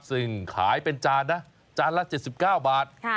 ซึ่งขายเป็นจานนะจานละ๗๙บาท